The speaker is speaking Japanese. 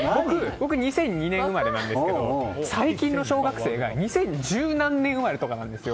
僕２００２年生まれなんですけど最近の小学生が二千十何年生まれなんですよ。